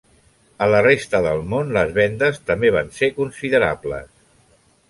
A la resta del món les vendes també van ser considerables.